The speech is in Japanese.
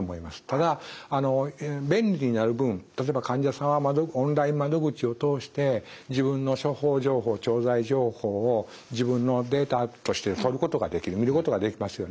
ただ便利になる分例えば患者さんはオンライン窓口を通して自分の処方情報調剤情報を自分のデータとして取ることができる見ることができますよね。